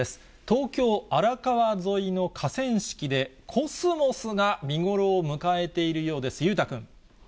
東京・荒川沿いの河川敷で、コスモスが見頃を迎えているようです。